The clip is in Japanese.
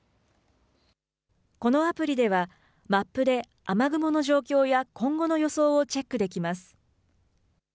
このアプリではマップで雨雲の状況や今後の予想をチェックできます。